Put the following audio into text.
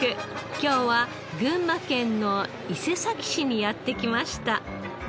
今日は群馬県の伊勢崎市にやって来ました。